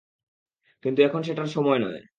কিন্তু এখন সেটার সময় নয়।